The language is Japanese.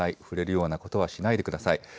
触れるようなことはしないでください。